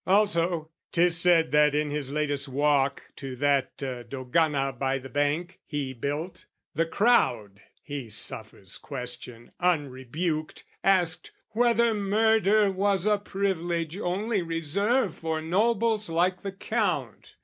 "Also, 'tis said that in his latest walk "To that Dogana by the Bank, he built, "The crowd, he suffers question, unrebuked, "Asked, 'Whether murder was a privilege "'Only reserved for nobles like the Count?'